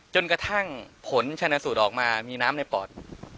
จนกระทั่งผลชนะสูตรออกมามีน้ำในปอด